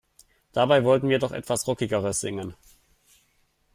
Dabei wollten wir doch etwas Rockigeres singen.